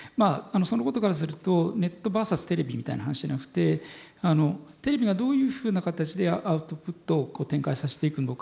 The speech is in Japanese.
そのことからするとネットｖｓ．テレビみたいな話じゃなくてテレビがどういうふうな形でアウトプットを展開させていくのか。